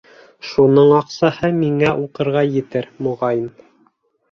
Шуның аҡсаһы миңә уҡырға етер, моғайын.